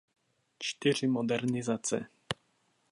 Čtyři modernizace.